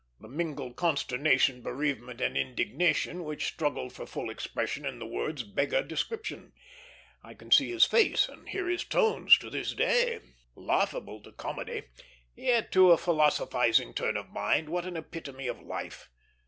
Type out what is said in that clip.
The mingled consternation, bereavement, and indignation which struggled for full expression in the words beggar description. I can see his face and hear his tones to this day. Laughable to comedy; yet to a philosophizing turn of mind what an epitome of life!